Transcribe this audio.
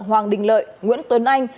hoàng đình lợi nguyễn tuấn anh